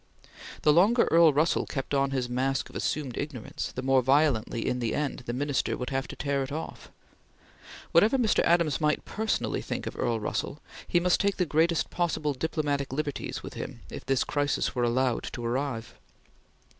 The longer Earl Russell kept on his mask of assumed ignorance, the more violently in the end, the Minister would have to tear it off. Whatever Mr. Adams might personally think of Earl Russell, he must take the greatest possible diplomatic liberties with him if this crisis were allowed to arrive.